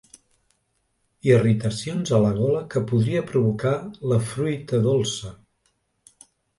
Irritacions a la gola que podria provocar la fruita dolça.